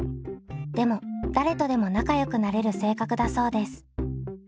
でも誰とでも仲よくなれる性格だそうです。